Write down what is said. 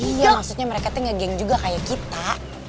iya maksudnya mereka tuh gak geng juga kayak kita